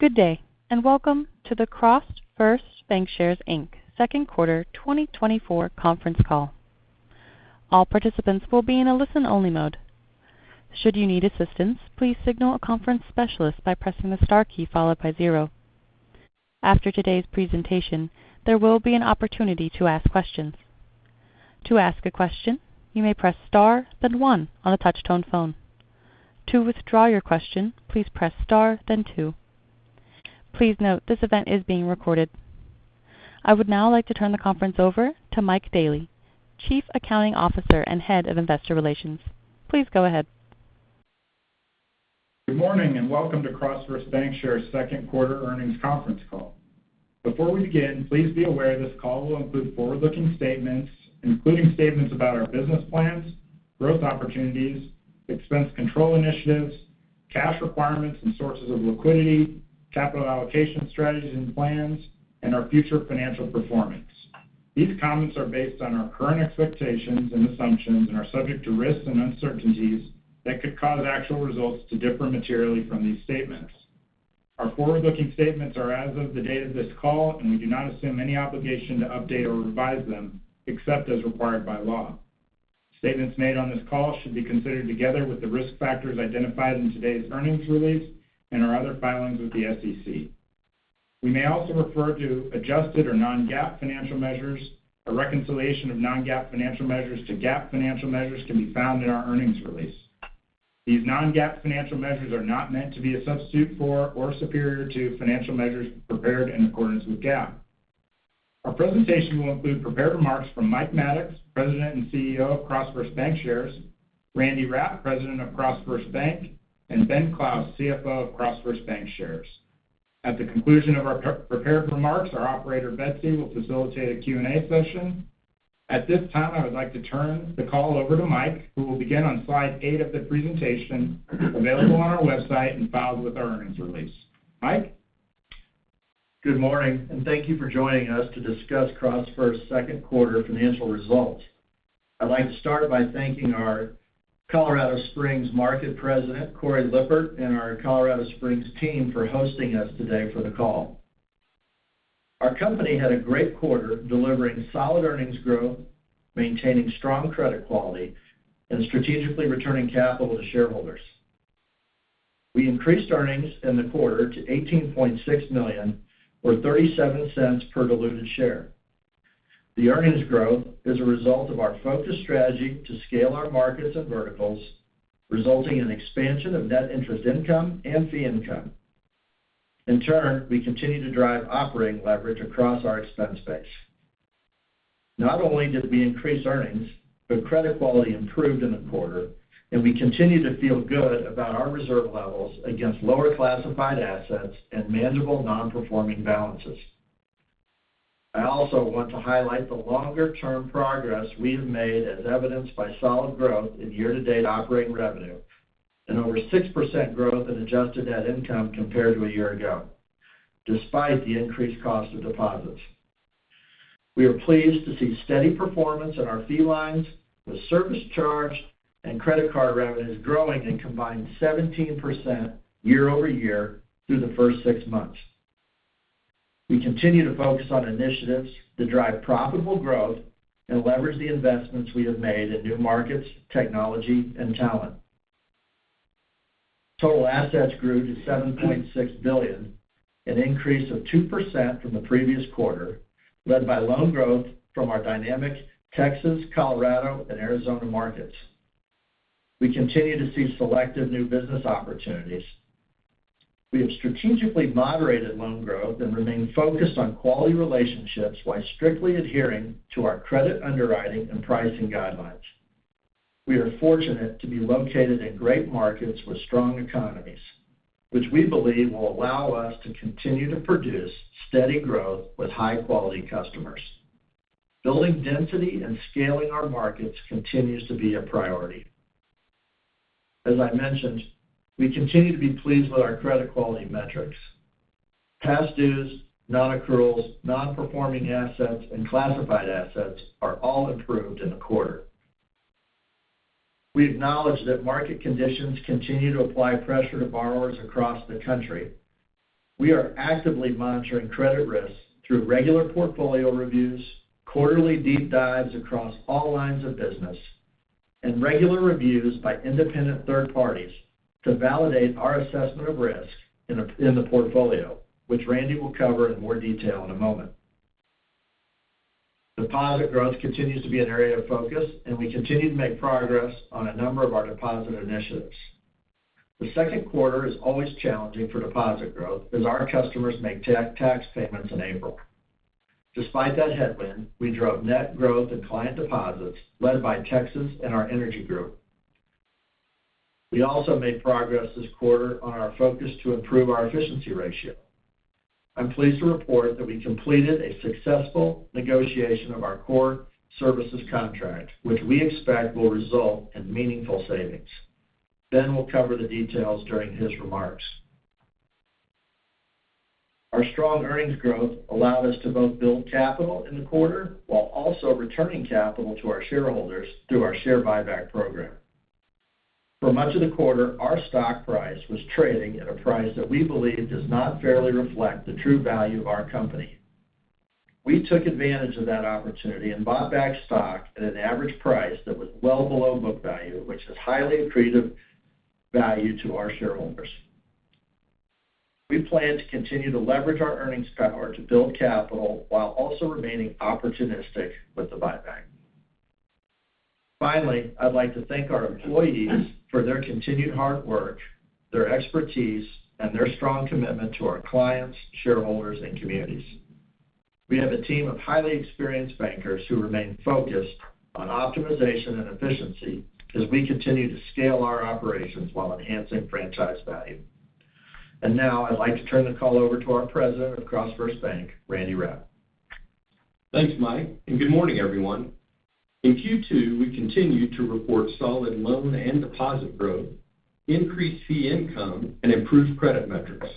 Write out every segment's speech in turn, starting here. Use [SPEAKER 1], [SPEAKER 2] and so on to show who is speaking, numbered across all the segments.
[SPEAKER 1] Good day, and welcome to the CrossFirst Bankshares Inc second quarter 2024 conference call. All participants will be in a listen-only mode. Should you need assistance, please signal a conference specialist by pressing the star key followed by zero. After today's presentation, there will be an opportunity to ask questions. To ask a question, you may press star, then one on a touch-tone phone. To withdraw your question, please press star, then two. Please note, this event is being recorded. I would now like to turn the conference over to Mike Daley, Chief Accounting Officer and Head of Investor Relations. Please go ahead.
[SPEAKER 2] Good morning, and welcome to CrossFirst Bankshares second quarter earnings conference call. Before we begin, please be aware this call will include forward-looking statements, including statements about our business plans, growth opportunities, expense control initiatives, cash requirements and sources of liquidity, capital allocation strategies and plans, and our future financial performance. These comments are based on our current expectations and assumptions and are subject to risks and uncertainties that could cause actual results to differ materially from these statements. Our forward-looking statements are as of the date of this call, and we do not assume any obligation to update or revise them, except as required by law. Statements made on this call should be considered together with the risk factors identified in today's earnings release and our other filings with the SEC. We may also refer to adjusted or non-GAAP financial measures. A reconciliation of non-GAAP financial measures to GAAP financial measures can be found in our earnings release. These non-GAAP financial measures are not meant to be a substitute for or superior to financial measures prepared in accordance with GAAP. Our presentation will include prepared remarks from Mike Maddox, President and CEO of CrossFirst Bankshares, Randy Rapp, President of CrossFirst Bank, and Ben Clouse, CFO of CrossFirst Bankshares. At the conclusion of our pre-prepared remarks, our operator, Betsy, will facilitate a Q&A session. At this time, I would like to turn the call over to Mike, who will begin on slide eight of the presentation available on our website and filed with our earnings release. Mike?
[SPEAKER 3] Good morning, and thank you for joining us to discuss CrossFirst's second quarter financial results. I'd like to start by thanking our Colorado Springs Market President, Cory Leppert, and our Colorado Springs team for hosting us today for the call. Our company had a great quarter, delivering solid earnings growth, maintaining strong credit quality, and strategically returning capital to shareholders. We increased earnings in the quarter to $18.6 million, or $0.37 per diluted share. The earnings growth is a result of our focused strategy to scale our markets and verticals, resulting in expansion of net interest income and fee income. In turn, we continue to drive operating leverage across our expense base. Not only did we increase earnings, but credit quality improved in the quarter, and we continue to feel good about our reserve levels against lower classified assets and manageable non-performing balances. I also want to highlight the longer-term progress we have made as evidenced by solid growth in year-to-date operating revenue and over 6% growth in adjusted net income compared to a year ago, despite the increased cost of deposits. We are pleased to see steady performance in our fee lines, with service charge and credit card revenues growing a combined 17% year-over-year through the first six months. We continue to focus on initiatives to drive profitable growth and leverage the investments we have made in new markets, technology, and talent. Total assets grew to $7.6 billion, an increase of 2% from the previous quarter, led by loan growth from our dynamic Texas, Colorado, and Arizona markets. We continue to see selective new business opportunities. We have strategically moderated loan growth and remain focused on quality relationships while strictly adhering to our credit underwriting and pricing guidelines. We are fortunate to be located in great markets with strong economies, which we believe will allow us to continue to produce steady growth with high-quality customers. Building density and scaling our markets continues to be a priority. As I mentioned, we continue to be pleased with our credit quality metrics. Past dues, non-accruals, non-performing assets, and classified assets are all improved in the quarter. We acknowledge that market conditions continue to apply pressure to borrowers across the country. We are actively monitoring credit risks through regular portfolio reviews, quarterly deep dives across all lines of business, and regular reviews by independent third parties to validate our assessment of risk in the portfolio, which Randy will cover in more detail in a moment. Deposit growth continues to be an area of focus, and we continue to make progress on a number of our deposit initiatives. The second quarter is always challenging for deposit growth as our customers make tax payments in April. Despite that headwind, we drove net growth in client deposits led by Texas and our energy group. We also made progress this quarter on our focus to improve our efficiency ratio. I'm pleased to report that we completed a successful negotiation of our core services contract, which we expect will result in meaningful savings. Ben will cover the details during his remarks. Our strong earnings growth allowed us to both build capital in the quarter, while also returning capital to our shareholders through our share buyback program. For much of the quarter, our stock price was trading at a price that we believe does not fairly reflect the true value of our company. We took advantage of that opportunity and bought back stock at an average price that was well below book value, which is highly accretive value to our shareholders. We plan to continue to leverage our earnings power to build capital while also remaining opportunistic with the buyback. Finally, I'd like to thank our employees for their continued hard work, their expertise, and their strong commitment to our clients, shareholders, and communities. We have a team of highly experienced bankers who remain focused on optimization and efficiency as we continue to scale our operations while enhancing franchise value. And now, I'd like to turn the call over to our President of CrossFirst Bank, Randy Rapp.
[SPEAKER 4] Thanks, Mike, and good morning, everyone. In Q2, we continued to report solid loan and deposit growth, increased fee income, and improved credit metrics.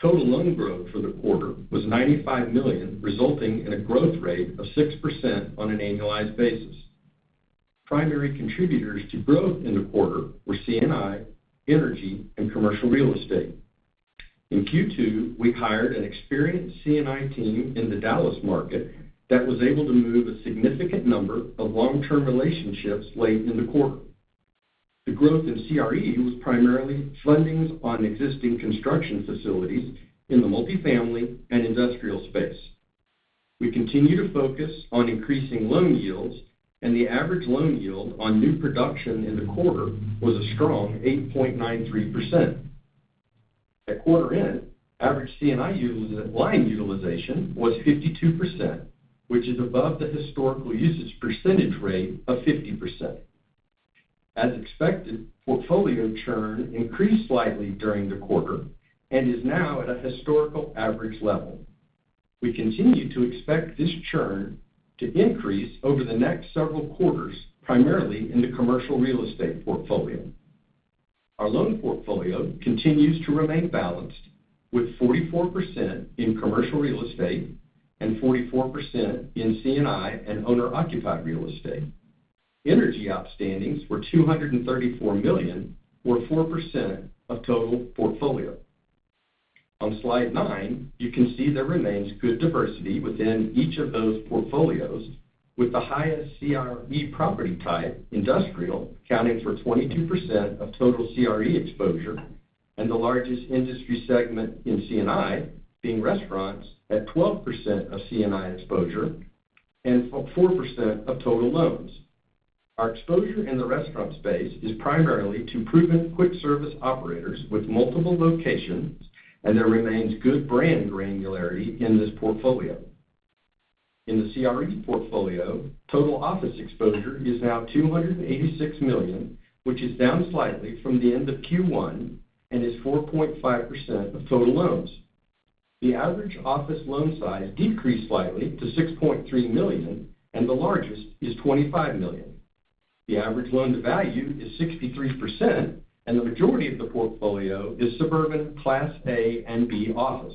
[SPEAKER 4] Total loan growth for the quarter was $95 million, resulting in a growth rate of 6% on an annualized basis. Primary contributors to growth in the quarter were C&I, energy, and commercial real estate. In Q2, we hired an experienced C&I team in the Dallas market that was able to move a significant number of long-term relationships late in the quarter. The growth in CRE was primarily fundings on existing construction facilities in the multifamily and industrial space. We continue to focus on increasing loan yields, and the average loan yield on new production in the quarter was a strong 8.93%. At quarter end, average C&I utilization-line utilization was 52%, which is above the historical usage percentage rate of 50%. As expected, portfolio churn increased slightly during the quarter and is now at a historical average level. We continue to expect this churn to increase over the next several quarters, primarily in the commercial real estate portfolio. Our loan portfolio continues to remain balanced, with 44% in commercial real estate and 44% in C&I and owner-occupied real estate. Energy outstandings were $234 million, or 4% of total portfolio. On Slide nine, you can see there remains good diversity within each of those portfolios, with the highest CRE property type, industrial, accounting for 22% of total CRE exposure, and the largest industry segment in C&I being restaurants at 12% of C&I exposure and 4% of total loans. Our exposure in the restaurant space is primarily to proven quick service operators with multiple locations, and there remains good brand granularity in this portfolio. In the CRE portfolio, total office exposure is now $286 million, which is down slightly from the end of Q1 and is 4.5% of total loans. The average office loan size decreased slightly to $6.3 million, and the largest is $25 million. The average loan to value is 63%, and the majority of the portfolio is suburban Class A and B office.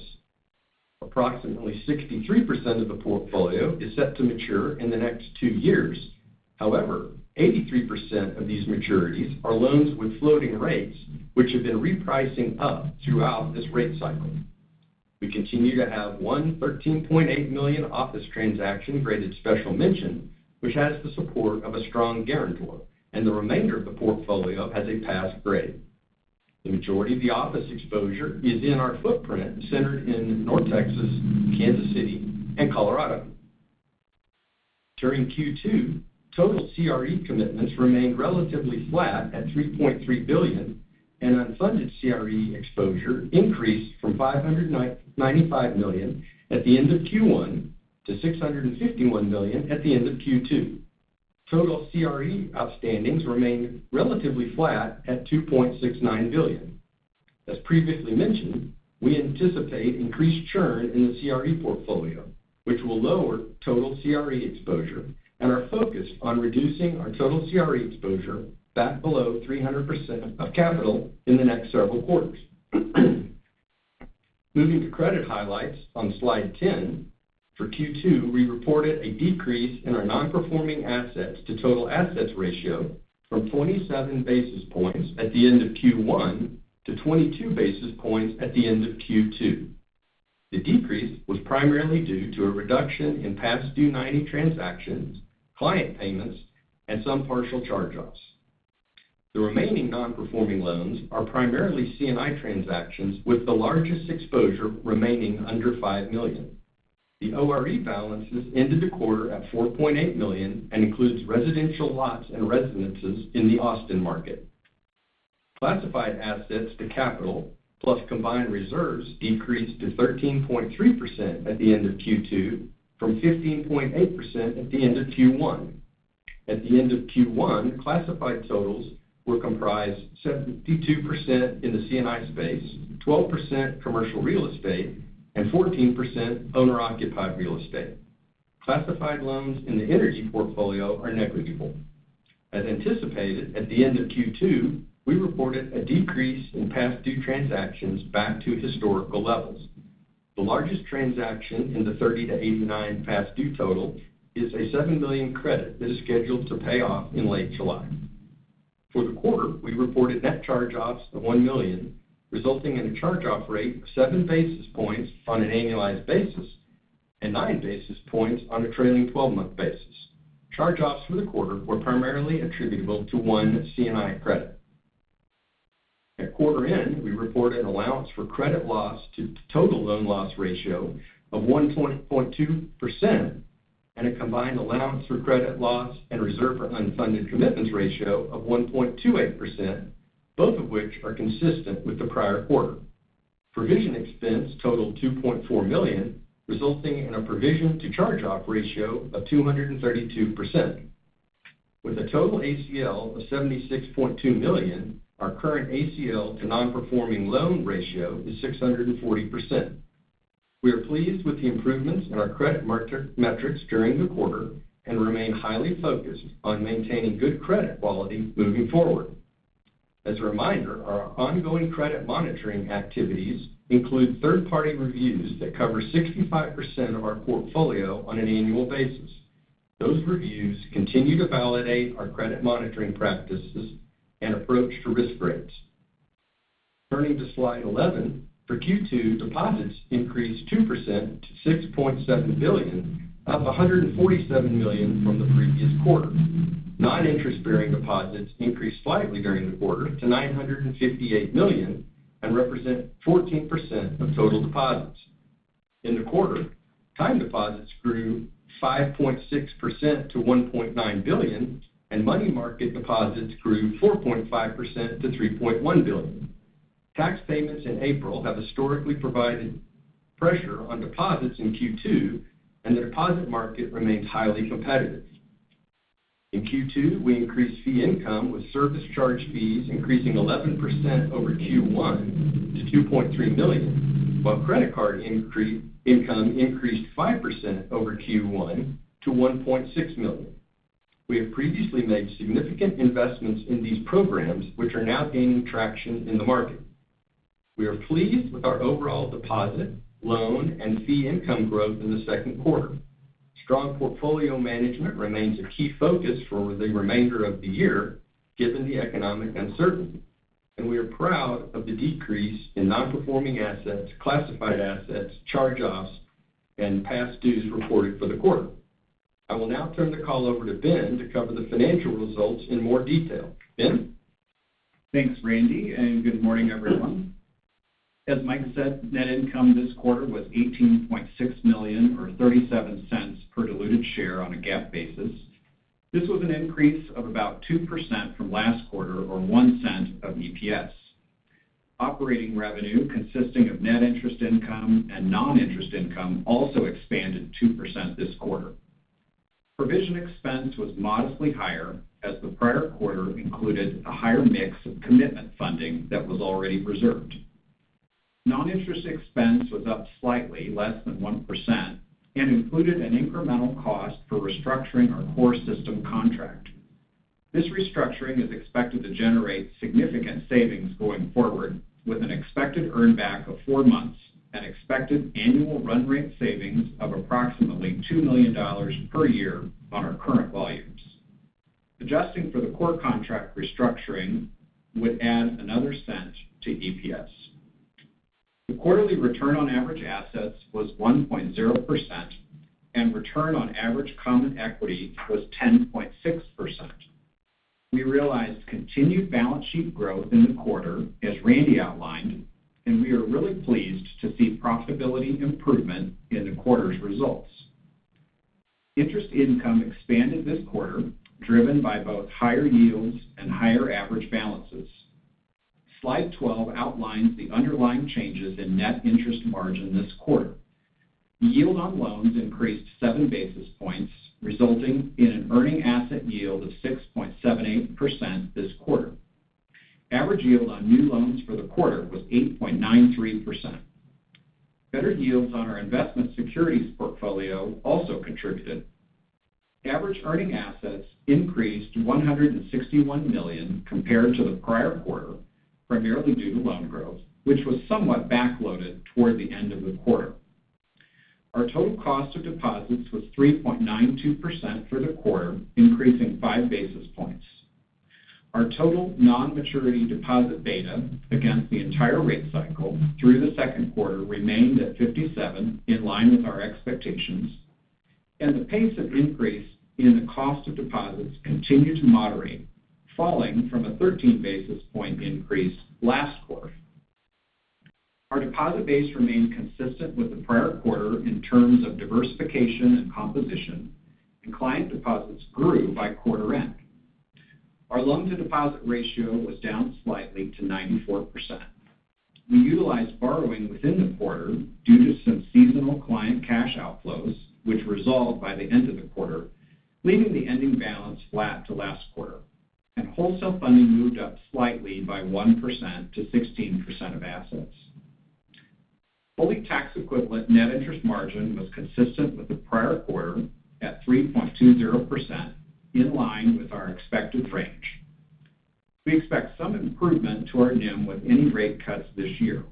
[SPEAKER 4] Approximately 63% of the portfolio is set to mature in the next two years. However, 83% of these maturities are loans with floating rates, which have been repricing up throughout this rate cycle. We continue to have a $113.8 million office transaction graded special mention, which has the support of a strong guarantor, and the remainder of the portfolio has a pass grade. The majority of the office exposure is in our footprint, centered in North Texas, Kansas City, and Colorado. During Q2, total CRE commitments remained relatively flat at $3.3 billion, and unfunded CRE exposure increased from $595 million at the end of Q1 to $651 million at the end of Q2. Total CRE outstandings remained relatively flat at $2.69 billion. As previously mentioned, we anticipate increased churn in the CRE portfolio, which will lower total CRE exposure, and are focused on reducing our total CRE exposure back below 300% of capital in the next several quarters. Moving to credit highlights on Slide 10, for Q2, we reported a decrease in our nonperforming assets to total assets ratio from 27 basis points at the end of Q1 to 22 basis points at the end of Q2. The decrease was primarily due to a reduction in past due 90 transactions, client payments, and some partial charge-offs. The remaining nonperforming loans are primarily C&I transactions, with the largest exposure remaining under $5 million. The ORE balances ended the quarter at $4.8 million and includes residential lots and residences in the Austin market. Classified assets to capital, plus combined reserves, decreased to 13.3% at the end of Q2 from 15.8% at the end of Q1. At the end of Q1, classified totals were comprised 72% in the C&I space, 12% commercial real estate, and 14% owner-occupied real estate. Classified loans in the energy portfolio are negligible. As anticipated, at the end of Q2, we reported a decrease in past due transactions back to historical levels. The largest transaction in the 30-89 past due total is a $7 million credit that is scheduled to pay off in late July. For the quarter, we reported net charge-offs of $1 million, resulting in a charge-off rate of 7 basis points on an annualized basis and 9 basis points on a trailing twelve-month basis. Charge-offs for the quarter were primarily attributable to one C&I credit. At quarter end, we reported an allowance for credit loss to total loan loss ratio of 1.42%, and a combined allowance for credit loss and reserve for unfunded commitments ratio of 1.28%, both of which are consistent with the prior quarter. Provision expense totaled $2.4 million, resulting in a provision to charge-off ratio of 232%. With a total ACL of $76.2 million, our current ACL to nonperforming loan ratio is 640%. We are pleased with the improvements in our credit metric, metrics during the quarter and remain highly focused on maintaining good credit quality moving forward. As a reminder, our ongoing credit monitoring activities include third-party reviews that cover 65% of our portfolio on an annual basis. Those reviews continue to validate our credit monitoring practices and approach to risk rates. Turning to Slide 11, for Q2, deposits increased 2% to $6.7 billion, up $147 million from the previous quarter. Non-interest-bearing deposits increased slightly during the quarter to $958 million and represent 14% of total deposits. In the quarter, time deposits grew 5.6% to $1.9 billion, and money market deposits grew 4.5% to $3.1 billion. Tax payments in April have historically provided pressure on deposits in Q2, and the deposit market remains highly competitive. In Q2, we increased fee income, with service charge fees increasing 11% over Q1 to $2.3 million, while credit card income increased 5% over Q1 to $1.6 million. We have previously made significant investments in these programs, which are now gaining traction in the market. We are pleased with our overall deposit, loan, and fee income growth in the second quarter. Strong portfolio management remains a key focus for the remainder of the year, given the economic uncertainty, and we are proud of the decrease in nonperforming assets, classified assets, charge-offs, and past dues reported for the quarter. I will now turn the call over to Ben to cover the financial results in more detail. Ben?
[SPEAKER 5] Thanks, Randy, and good morning, everyone. As Mike said, net income this quarter was $18.6 million, or $0.37 per diluted share on a GAAP basis. This was an increase of about 2% from last quarter, or $0.01 of EPS. Operating revenue, consisting of net interest income and non-interest income, also expanded 2% this quarter. Provision expense was modestly higher, as the prior quarter included a higher mix of commitment funding that was already reserved. Non-interest expense was up slightly, less than 1%, and included an incremental cost for restructuring our core system contract. This restructuring is expected to generate significant savings going forward, with an expected earn back of four months and expected annual run rate savings of approximately $2 million per year on our current volumes. Adjusting for the core contract restructuring would add another $0.01 to EPS. The quarterly return on average assets was 1%, and return on average common equity was 10.6%. We realized continued balance sheet growth in the quarter, as Randy outlined, and we are really pleased to see profitability improvement in the quarter's results. Interest income expanded this quarter, driven by both higher yields and higher average balances. Slide 12 outlines the underlying changes in net interest margin this quarter. The yield on loans increased seven basis points, resulting in an earning asset yield of 6.78% this quarter. Average yield on new loans for the quarter was 8.93%. Better yields on our investment securities portfolio also contributed. Average earning assets increased to $161 million compared to the prior quarter, primarily due to loan growth, which was somewhat backloaded toward the end of the quarter. Our total cost of deposits was 3.92% for the quarter, increasing 5 basis points. Our total non-maturity deposit beta against the entire rate cycle through the second quarter remained at 57%, in line with our expectations, and the pace of increase in the cost of deposits continued to moderate, falling from a 13 basis point increase last quarter. Our deposit base remained consistent with the prior quarter in terms of diversification and composition, and client deposits grew by quarter end. Our loan-to-deposit ratio was down slightly to 94%. We utilized borrowing within the quarter due to some seasonal client cash outflows, which resolved by the end of the quarter, leaving the ending balance flat to last quarter, and wholesale funding moved up slightly by 1% to 16% of assets. Fully tax-equivalent net interest margin was consistent with the prior quarter at 3.2%, in line with our expected range. We expect some improvement to our NIM with any rate cuts this year.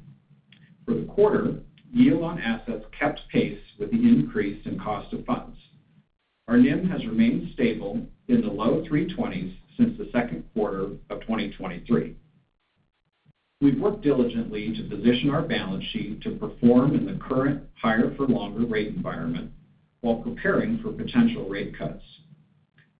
[SPEAKER 5] For the quarter, yield on assets kept pace with the increase in cost of funds. Our NIM has remained stable in the low 3.2% since the second quarter of 2023. We've worked diligently to position our balance sheet to perform in the current higher for longer rate environment while preparing for potential rate cuts.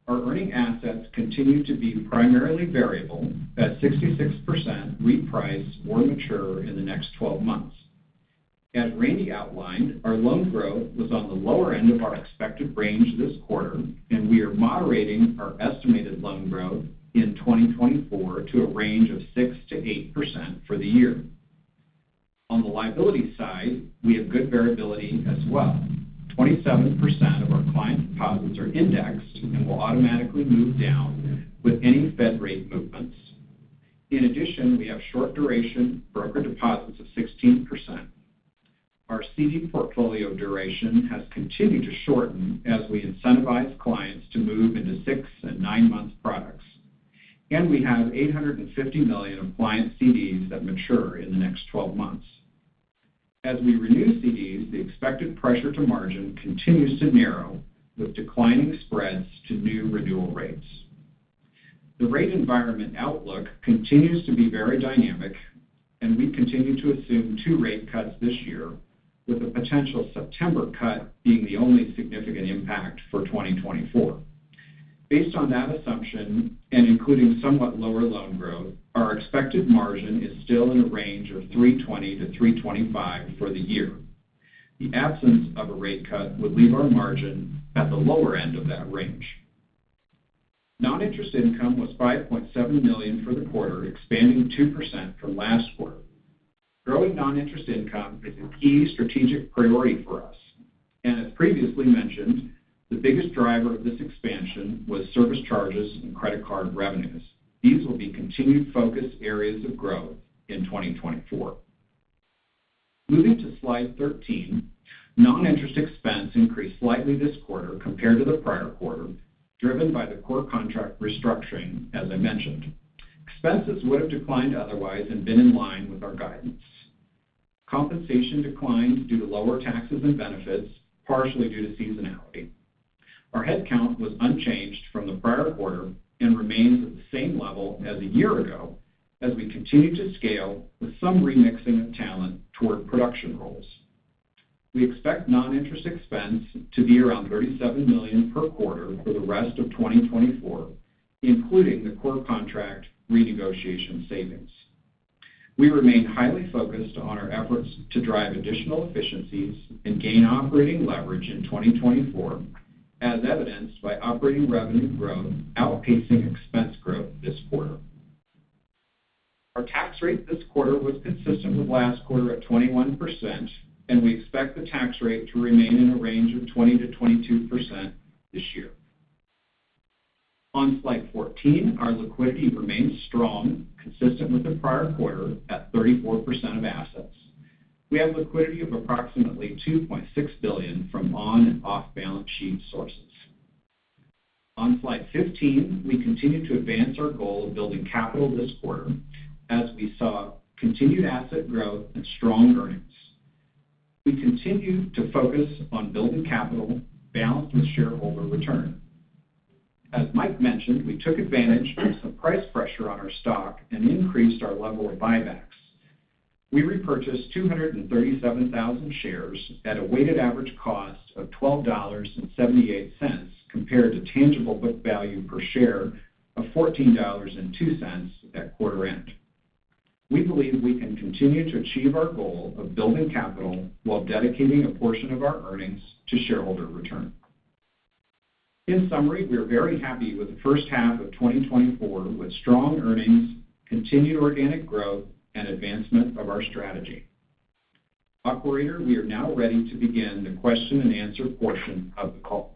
[SPEAKER 5] Our earning assets continue to be primarily variable at 66% repriced or mature in the next 12 months. As Randy outlined, our loan growth was on the lower end of our expected range this quarter, and we are moderating our estimated loan growth in 2024 to a range of 6%-8% for the year. On the liability side, we have good variability as well. 27% of our client deposits are indexed and will automatically move down with any Fed rate movements. In addition, we have short duration broker deposits of 16%. Our CD portfolio duration has continued to shorten as we incentivize clients to move into six and nine month products, and we have $850 million of client CDs that mature in the next 12 months. As we renew CDs, the expected pressure to margin continues to narrow, with declining spreads to new renewal rates. The rate environment outlook continues to be very dynamic, and we continue to assume two rate cuts this year, with a potential September cut being the only significant impact for 2024. Based on that assumption and including somewhat lower loan growth, our expected margin is still in a range of 3.2%-3.25% for the year. The absence of a rate cut would leave our margin at the lower end of that range. Noninterest income was $5.7 million for the quarter, expanding 2% from last quarter. Growing noninterest income is a key strategic priority for us, and as previously mentioned, the biggest driver of this expansion was service charges and credit card revenues. These will be continued focus areas of growth in 2024. Moving to Slide 13, noninterest expense increased slightly this quarter compared to the prior quarter, driven by the core contract restructuring, as I mentioned. Expenses would have declined otherwise and been in line with our guidance. Compensation declined due to lower taxes and benefits, partially due to seasonality. Our headcount was unchanged from the prior quarter and remains at the same level as a year ago as we continue to scale with some remixing of talent toward production roles. We expect noninterest expense to be around $37 million per quarter for the rest of 2024, including the core contract renegotiation savings. We remain highly focused on our efforts to drive additional efficiencies and gain operating leverage in 2024, as evidenced by operating revenue growth outpacing expense growth this quarter. Our tax rate this quarter was consistent with last quarter at 21%, and we expect the tax rate to remain in a range of 20%-22% this year. On Slide 14, our liquidity remains strong, consistent with the prior quarter at 34% of assets. We have liquidity of approximately $2.6 billion from on and off-balance sheet sources. On Slide 15, we continue to advance our goal of building capital this quarter as we saw continued asset growth and strong earnings. We continue to focus on building capital balanced with shareholder return. As Mike mentioned, we took advantage of some price pressure on our stock and increased our level of buybacks. We repurchased 237,000 shares at a weighted average cost of $12.78, compared to tangible book value per share of $14.02 at quarter end. We believe we can continue to achieve our goal of building capital while dedicating a portion of our earnings to shareholder return. In summary, we are very happy with the first half of 2024, with strong earnings, continued organic growth, and advancement of our strategy. Operator, we are now ready to begin the question-and-answer portion of the call.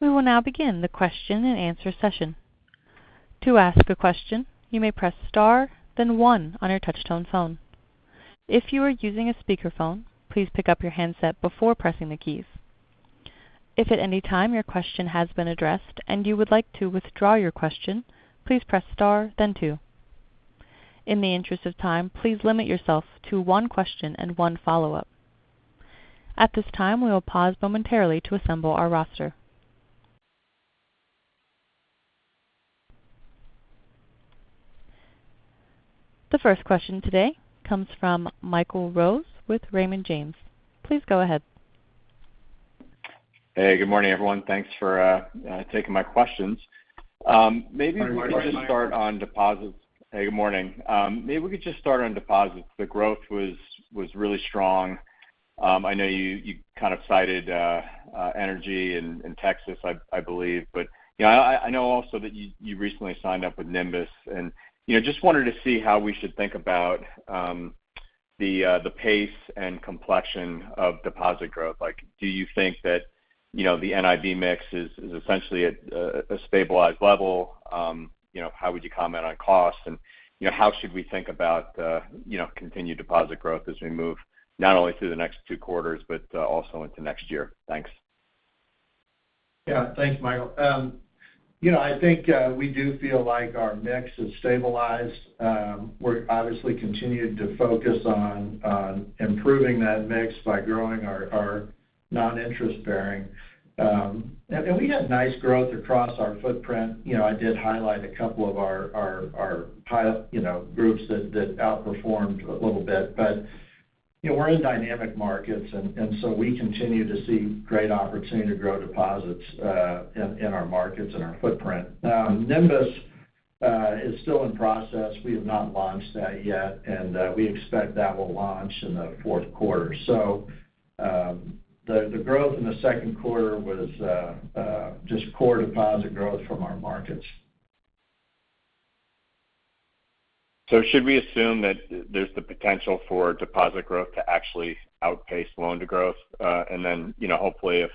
[SPEAKER 1] We will now begin the question-and-answer session. To ask a question, you may press star, then one on your touchtone phone. If you are using a speakerphone, please pick up your handset before pressing the keys. If at any time your question has been addressed and you would like to withdraw your question, please press star then two. In the interest of time, please limit yourself to one question and one follow-up. At this time, we will pause momentarily to assemble our roster. The first question today comes from Michael Rose with Raymond James. Please go ahead.
[SPEAKER 6] Hey, good morning, everyone. Thanks for taking my questions. Maybe we could just start on deposits.
[SPEAKER 5] Good morning.
[SPEAKER 6] Hey, good morning. Maybe we could just start on deposits. The growth was really strong. I know you kind of cited energy in Texas, I believe. But, you know, I know also that you recently signed up with Nymbus and, you know, just wanted to see how we should think about the pace and complexion of deposit growth. Like, do you think that you know, the NIB mix is essentially at a stabilized level. You know, how would you comment on costs? And, you know, how should we think about continued deposit growth as we move, not only through the next two quarters, but also into next year? Thanks.
[SPEAKER 3] Yeah. Thanks, Michael. You know, I think we do feel like our mix is stabilized. We're obviously continued to focus on improving that mix by growing our non-interest-bearing. And we had nice growth across our footprint. You know, I did highlight a couple of our pilot groups that outperformed a little bit. But, you know, we're in dynamic markets, and so we continue to see great opportunity to grow deposits in our markets and our footprint. Now, Nymbus is still in process. We have not launched that yet, and we expect that will launch in the fourth quarter. So, the growth in the second quarter was just core deposit growth from our markets.
[SPEAKER 6] So should we assume that there's the potential for deposit growth to actually outpace loan growth? And then, you know, hopefully, if,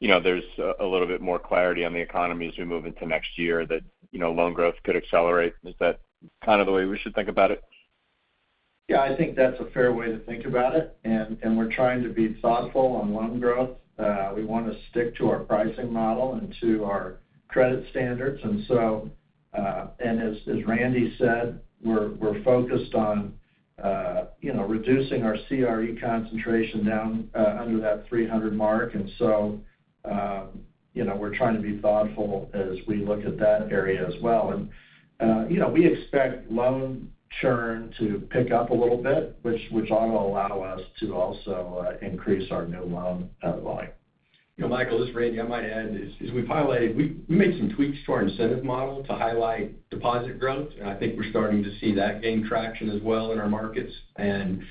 [SPEAKER 6] you know, there's a little bit more clarity on the economy as we move into next year, that, you know, loan growth could accelerate. Is that kind of the way we should think about it?
[SPEAKER 3] Yeah, I think that's a fair way to think about it, and we're trying to be thoughtful on loan growth. We want to stick to our pricing model and to our credit standards. And so, as Randy said, we're focused on, you know, reducing our CRE concentration down under that 300 mark. And so, you know, we're trying to be thoughtful as we look at that area as well. And, you know, we expect loan churn to pick up a little bit, which ought to allow us to also increase our new loan volume.
[SPEAKER 4] You know, Michael, this is Randy. I might add, as we've highlighted, we made some tweaks to our incentive model to highlight deposit growth, and I think we're starting to see that gain traction as well in our markets. And,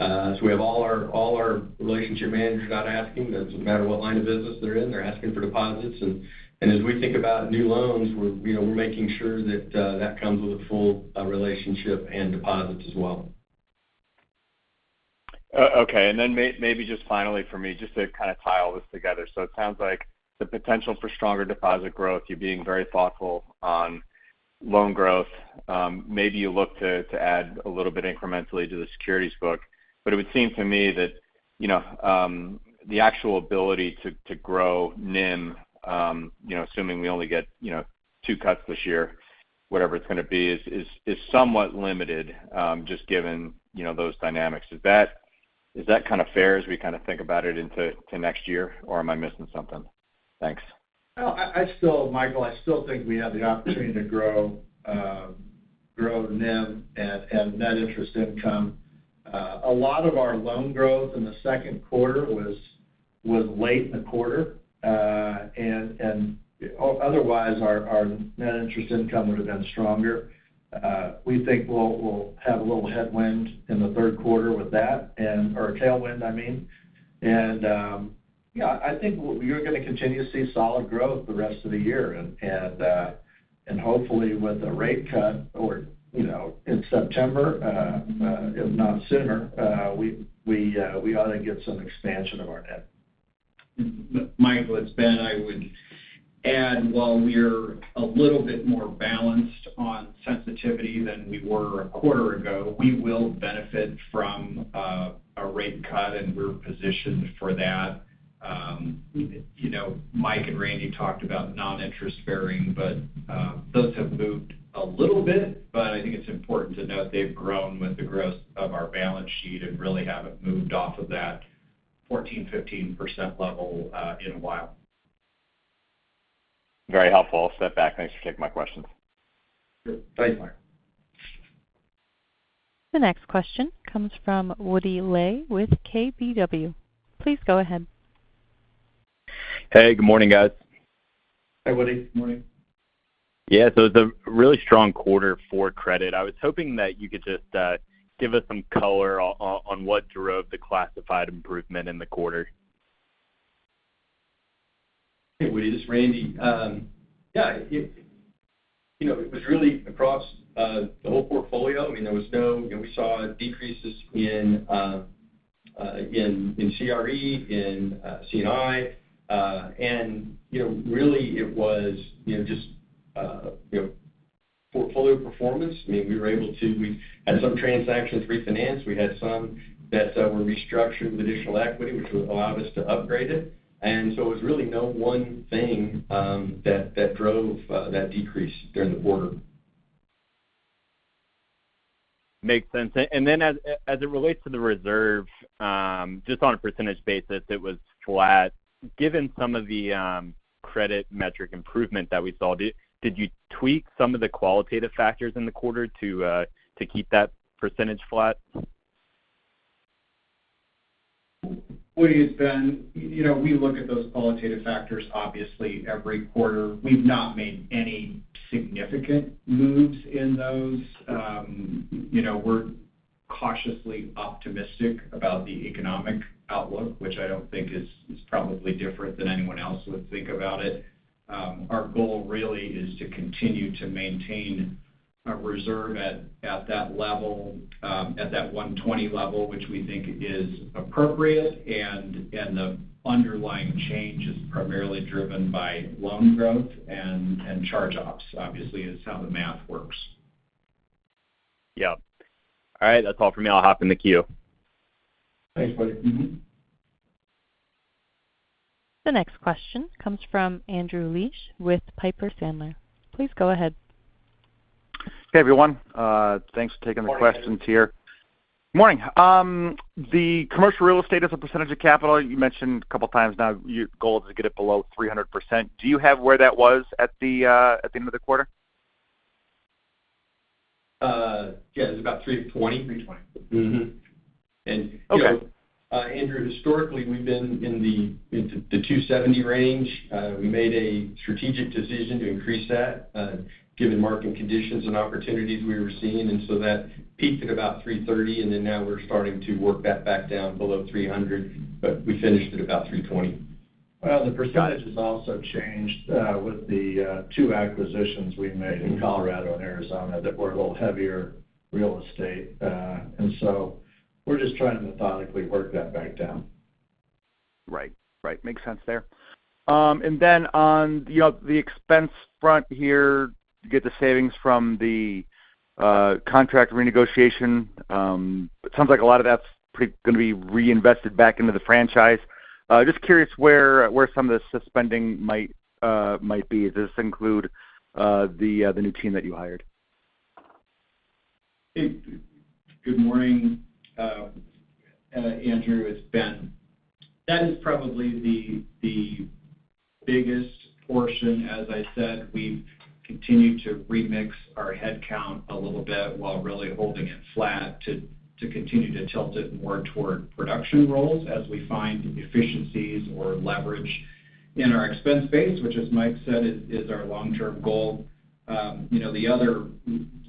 [SPEAKER 4] so we have all our relationship managers out asking. It doesn't matter what line of business they're in, they're asking for deposits. And, as we think about new loans, we're, you know, we're making sure that that comes with a full relationship and deposits as well.
[SPEAKER 6] Okay. And then maybe just finally for me, just to kind of tie all this together. So it sounds like the potential for stronger deposit growth, you're being very thoughtful on loan growth. Maybe you look to add a little bit incrementally to the securities book. But it would seem to me that, you know, the actual ability to grow NIM, you know, assuming we only get two cuts this year, whatever it's going to be, is somewhat limited, just given, you know, those dynamics. Is that kind of fair as we kind of think about it into next year, or am I missing something? Thanks.
[SPEAKER 3] Well, I still, Michael, I still think we have the opportunity to grow grow NIM and net interest income. A lot of our loan growth in the second quarter was late in the quarter, and otherwise, our net interest income would have been stronger. We think we'll have a little headwind in the third quarter with that, or a tailwind, I mean. Yeah, I think you're going to continue to see solid growth the rest of the year. And hopefully, with a rate cut or, you know, in September, if not sooner, we ought to get some expansion of our net.
[SPEAKER 5] Michael, it's Ben. I would add, while we're a little bit more balanced on sensitivity than we were a quarter ago, we will benefit from a rate cut, and we're positioned for that. You know, Mike and Randy talked about non-interest bearing, but those have moved a little bit, but I think it's important to note they've grown with the growth of our balance sheet and really haven't moved off of that 14%, 15% level in a while.
[SPEAKER 6] Very helpful. I'll step back. Thanks for taking my questions.
[SPEAKER 3] Good. Thanks, Michael.
[SPEAKER 1] The next question comes from Woody Lay with KBW. Please go ahead.
[SPEAKER 7] Hey, good morning, guys.
[SPEAKER 3] Hi, Woody. Good morning.
[SPEAKER 7] Yeah. So it's a really strong quarter for credit. I was hoping that you could just, give us some color on what drove the classified improvement in the quarter.
[SPEAKER 4] Hey, Woody, this is Randy. Yeah, it, you know, it was really across the whole portfolio. I mean, there was no... You know, we saw decreases in CRE, in C&I. And, you know, really it was, you know, just portfolio performance. I mean, we were able to- we had some transactions refinanced. We had some that were restructured with additional equity, which allowed us to upgrade it. And so it was really no one thing that drove that decrease during the quarter.
[SPEAKER 7] Makes sense. And then as it relates to the reserve, just on a percentage basis, it was flat. Given some of the credit metric improvement that we saw, did you tweak some of the qualitative factors in the quarter to keep that percentage flat?
[SPEAKER 5] Woody, it's Ben. You know, we look at those qualitative factors, obviously, every quarter. We've not made any significant moves in those. You know, we're cautiously optimistic about the economic outlook, which I don't think is probably different than anyone else would think about it. Our goal really is to continue to maintain our reserve at that level, at that 120% level, which we think is appropriate. And the underlying change is primarily driven by loan growth and charge-offs. Obviously, it's how the math works.
[SPEAKER 7] Yep. All right, that's all for me. I'll hop in the queue.
[SPEAKER 3] Thanks, buddy.
[SPEAKER 7] Mm-hmm.
[SPEAKER 1] The next question comes from Andrew Liesch with Piper Sandler. Please go ahead.
[SPEAKER 8] Hey, everyone. Thanks for taking the questions here.
[SPEAKER 3] Morning, Andrew.
[SPEAKER 8] Morning. The commercial real estate as a percentage of capital, you mentioned a couple of times now, your goal is to get it below 300%. Do you have where that was at the end of the quarter?
[SPEAKER 4] Yeah, it was about 320%.
[SPEAKER 3] 320%.
[SPEAKER 4] Mm-hmm. And, you know, Andrew, historically, we've been in the 270% range. We made a strategic decision to increase that, given market conditions and opportunities we were seeing, and so that peaked at about 330%, and then now we're starting to work that back down below 300%, but we finished at about 320%.
[SPEAKER 3] Well, the percentage has also changed, with the two acquisitions we made in Colorado and Arizona that were a little heavier real estate. And so we're just trying to methodically work that back down.
[SPEAKER 8] Right. Right. Makes sense there. And then on, you know, the expense front here, you get the savings from the contract renegotiation. It sounds like a lot of that's pretty gonna be reinvested back into the franchise. Just curious where, where some of the spending might, might be. Does this include the new team that you hired?
[SPEAKER 5] Good morning, Andrew, it's Ben. That is probably the biggest portion. As I said, we've continued to remix our headcount a little bit while really holding it flat to continue to tilt it more toward production roles as we find efficiencies or leverage in our expense base, which, as Mike said, is our long-term goal. You know, the other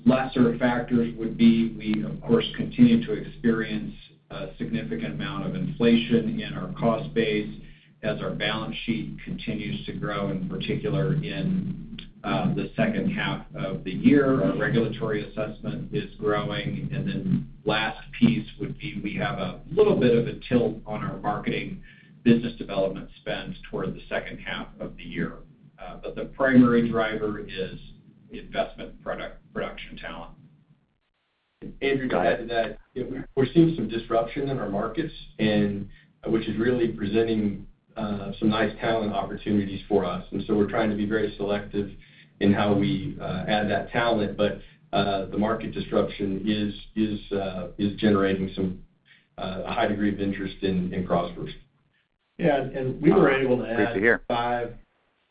[SPEAKER 5] lesser factors would be, we, of course, continue to experience a significant amount of inflation in our cost base as our balance sheet continues to grow, in particular, in the second half of the year. Our regulatory assessment is growing, and then last piece would be, we have a little bit of a tilt on our marketing business development spends toward the second half of the year. But the primary driver is investment production talent.
[SPEAKER 4] Andrew, to add to that, we're seeing some disruption in our markets, and which is really presenting some nice talent opportunities for us. And so we're trying to be very selective in how we add that talent, but the market disruption is generating a high degree of interest in CrossFirst.
[SPEAKER 3] Yeah, and we were able to add-
[SPEAKER 8] Great to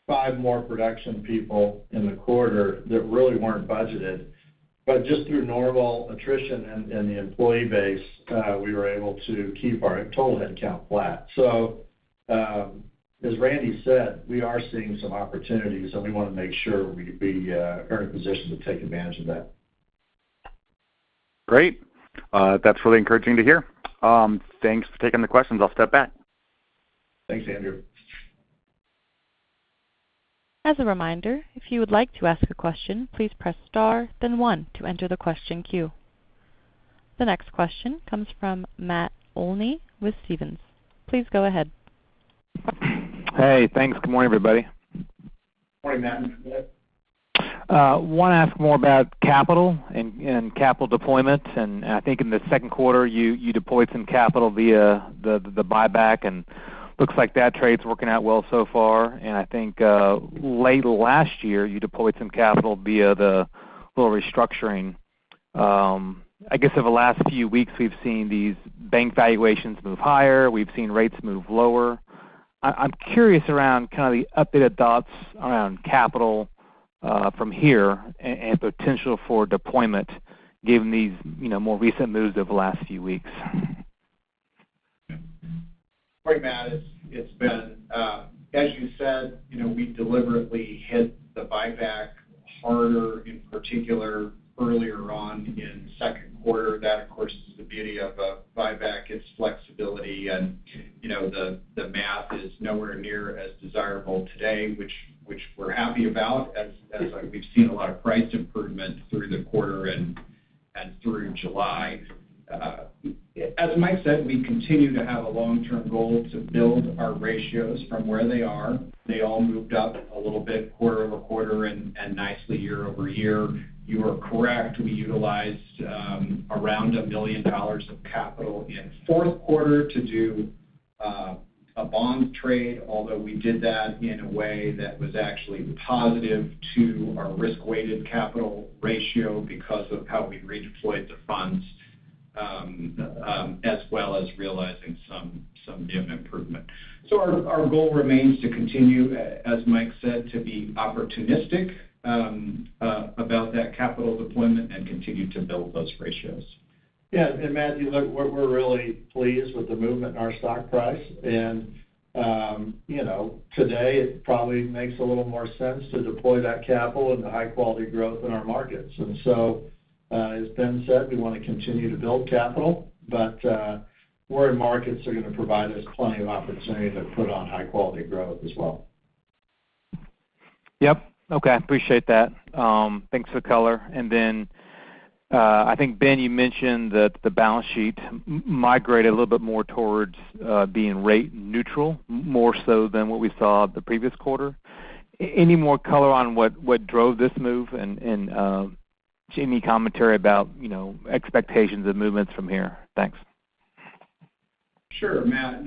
[SPEAKER 8] hear.
[SPEAKER 3] 5 more production people in the quarter that really weren't budgeted. But just through normal attrition in the employee base, we were able to keep our total headcount flat. So, as Randy said, we are seeing some opportunities, and we want to make sure we are in a position to take advantage of that.
[SPEAKER 8] Great. That's really encouraging to hear. Thanks for taking the questions. I'll step back.
[SPEAKER 3] Thanks, Andrew.
[SPEAKER 1] As a reminder, if you would like to ask a question, please press star, then one to enter the question queue. The next question comes from Matt Olney with Stephens. Please go ahead.
[SPEAKER 9] Hey, thanks. Good morning, everybody.
[SPEAKER 3] Morning, Matt.
[SPEAKER 9] Want to ask more about capital and, and capital deployment, and I think in the second quarter, you deployed some capital via the buyback, and looks like that trade is working out well so far. And I think, late last year, you deployed some capital via the little restructuring. I guess, over the last few weeks, we've seen these bank valuations move higher, we've seen rates move lower. I'm curious around kind of the updated thoughts around capital, from here and potential for deployment, given these, you know, more recent moves over the last few weeks.
[SPEAKER 5] Morning, Matt, it's Ben. As you said, you know, we deliberately hit the buyback harder, in particular, earlier on in second quarter. That, of course, is the beauty of a buyback, its flexibility. And, you know, the math is nowhere near as desirable today, which we're happy about as we've seen a lot of price improvement through the quarter and through July. As Mike said, we continue to have a long-term goal to build our ratios from where they are. They all moved up a little bit quarter-over-quarter and nicely year-over-year. You are correct, we utilized around $1 million of capital in fourth quarter to do a bond trade, although we did that in a way that was actually positive to our risk-weighted capital ratio because of how we redeployed the funds, as well as realizing some NIM improvement. So our goal remains to continue, as Mike said, to be opportunistic about that capital deployment and continue to build those ratios.
[SPEAKER 3] Yeah, and Matt, we're really pleased with the movement in our stock price. And, you know, today it probably makes a little more sense to deploy that capital into high-quality growth in our markets. And so, as Ben said, we want to continue to build capital, but, we're in markets that are going to provide us plenty of opportunity to put on high quality growth as well.
[SPEAKER 9] Yep. Okay, appreciate that. Thanks for the color. And then, I think, Ben, you mentioned that the balance sheet migrated a little bit more towards being rate neutral, more so than what we saw the previous quarter. Any more color on what drove this move and any commentary about, you know, expectations and movements from here? Thanks.
[SPEAKER 5] Sure, Matt.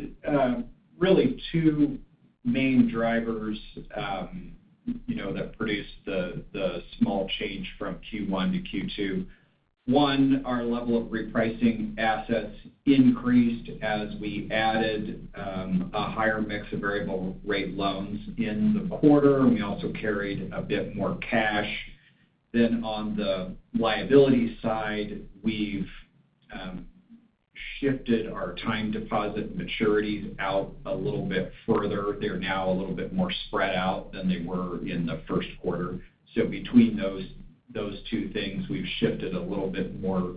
[SPEAKER 5] Really two main drivers, you know, that produced the small change from Q1 to Q2. One, our level of repricing assets increased as we added a higher mix of variable rate loans in the quarter, and we also carried a bit more cash. Then on the liability side, we've shifted our time deposit maturities out a little bit further. They're now a little bit more spread out than they were in the first quarter. So between those two things, we've shifted a little bit more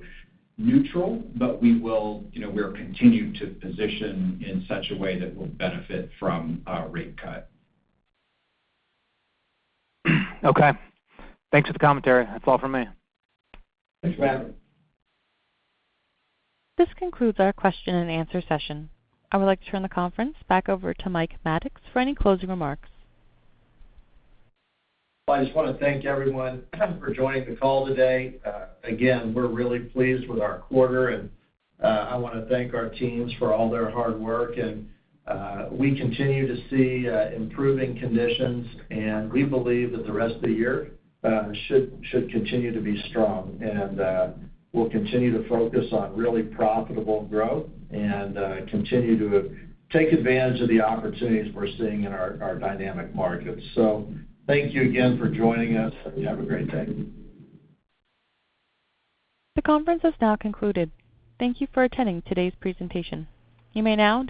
[SPEAKER 5] neutral, but we will- you know, we're continuing to position in such a way that we'll benefit from a rate cut.
[SPEAKER 9] Okay. Thanks for the commentary. That's all from me.
[SPEAKER 3] Thanks, Matt.
[SPEAKER 1] This concludes our question and answer session. I would like to turn the conference back over to Mike Maddox for any closing remarks.
[SPEAKER 3] I just want to thank everyone for joining the call today. Again, we're really pleased with our quarter, and I want to thank our teams for all their hard work. We continue to see improving conditions, and we believe that the rest of the year should continue to be strong. We'll continue to focus on really profitable growth and continue to take advantage of the opportunities we're seeing in our dynamic markets. Thank you again for joining us. You have a great day.
[SPEAKER 1] The conference has now concluded. Thank you for attending today's presentation. You may now disconnect.